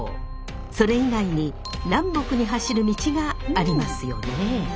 それ以外に南北に走る道がありますよね。